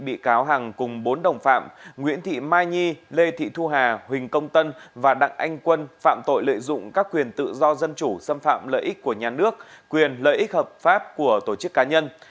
bị cáo hằng cùng bốn đồng phạm nguyễn thị mai nhi lê thị thu hà huỳnh công tân và đặng anh quân phạm tội lợi dụng các quyền tự do dân chủ xâm phạm lợi ích của nhà nước quyền lợi ích hợp pháp của tổ chức cá nhân